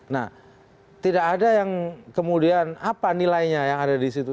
nah tidak ada yang kemudian apa nilainya yang ada di situ